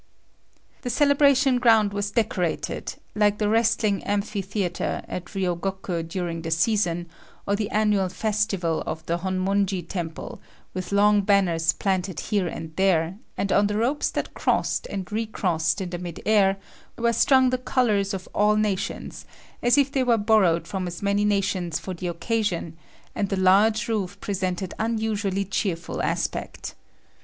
The celebration ground was decorated, like the wrestling amphitheater at Ryogoku during the season, or the annual festivity of the Hommonji temple, with long banners planted here and there, and on the ropes that crossed and recrossed in the mid air were strung the colors of all nations, as if they were borrowed from as many nations for the occasion and the large roof presented unusually cheerful aspect.